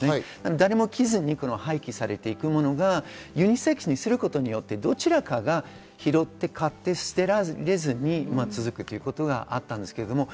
誰も着ずに廃棄されるものがユニセックスにすることでどちらかが拾って買って捨てられずに続くということがあったんです。